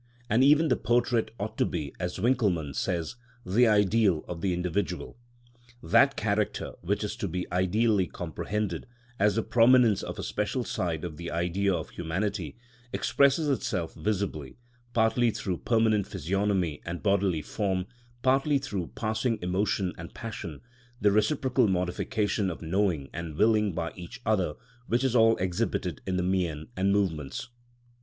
And even the portrait ought to be, as Winckelmann says, the ideal of the individual. That character which is to be ideally comprehended, as the prominence of a special side of the Idea of humanity, expresses itself visibly, partly through permanent physiognomy and bodily form, partly through passing emotion and passion, the reciprocal modification of knowing and willing by each other, which is all exhibited in the mien and movements.